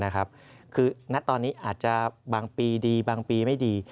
คือณตอนนี้อาจจะบางปีดีบางปีไม่ดี